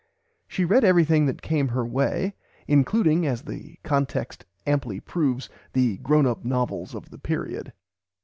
She read everything that came her way, including, as the context amply proves, the grown up novels of the period.